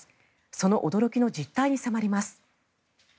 その驚きの実態に迫ります。